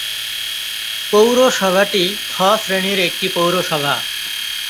পৌরসভাটি 'খ' শ্রেণির একটি পৌরসভা।